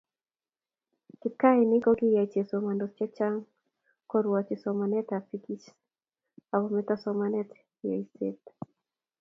Kipkaaini ko ki koyai chesomandos chechang korwochi somanetab fisikis ako meto somanetab yoisiet